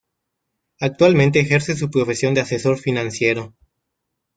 Actualmente ejerce su profesión de asesor financiero.